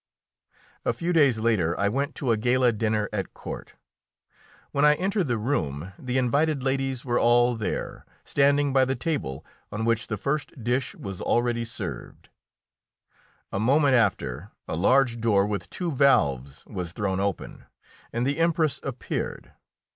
A few days later I went to a gala dinner at court. When I entered the room the invited ladies were all there, standing by the table, on which the first dish was already served. A moment after, a large door with two valves was thrown open, and the Empress appeared.